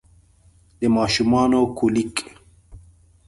د ماشومانه کولیک